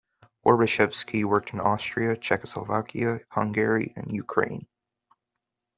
Horbachevsky worked in Austria, Czechoslovakia, Hungary and Ukraine.